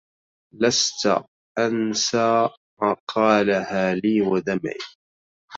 لست أنسى مقالها لي ودمعي